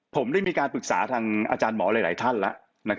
ผมได้มีการปรึกษาทางอาจารย์หมอหลายท่านแล้ว